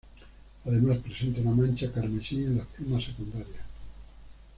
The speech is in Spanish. Además presenta una mancha carmesí en las plumas secundarias.